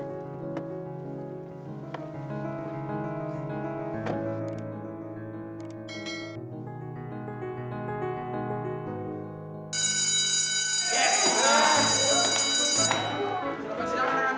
terima kasih ya anak anak